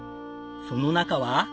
その中は。